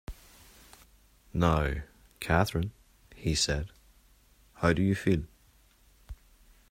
“Now — Catherine,” he said, “how do you feel?”